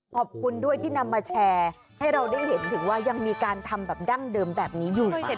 ขอบคุณด้วยที่มาแชร์ให้เราได้เห็นว่ายังมีการทำดั้งเดิมแบบนี้